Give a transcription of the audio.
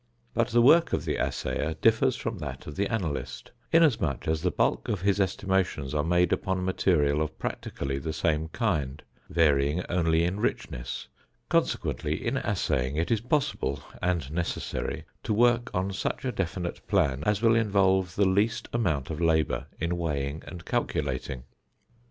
But the work of the assayer differs from that of the analyst, inasmuch as the bulk of his estimations are made upon material of practically the same kind, varying only in richness; consequently in assaying, it is possible (and necessary) to work on such a definite plan as will involve the least amount of labour in weighing and calculating.